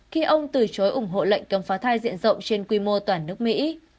khi ông từ chối ủng hộ lệnh cấm phá thai diện rộng trên quy mô toàn nước mỹ